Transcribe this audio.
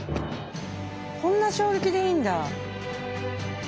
こんな衝撃でいいんだ。